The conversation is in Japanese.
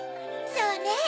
そうね。